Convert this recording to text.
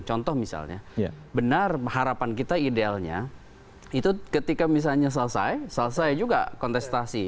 contoh misalnya benar harapan kita idealnya itu ketika misalnya selesai selesai juga kontestasi